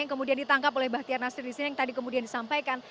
yang kemudian ditangkap oleh bahtiar nasir disini yang tadi kemudian disampaikan